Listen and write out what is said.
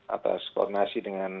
atas koordinasi dengan